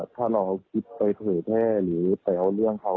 ถ้าเราไปถาดทหด้าเทพหรือเต๋าเรื่องเขา